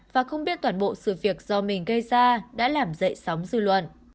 và không biết toàn bộ sự việc do mình gây ra đã làm dậy sóng dư luận